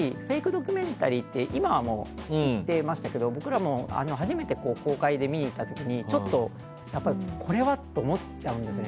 ドキュメンタリーって今はもう消えましたけど僕ら初めて公開で見に行った時にちょっと、これはって思っちゃうんですよね。